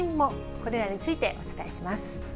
これらについてお伝えします。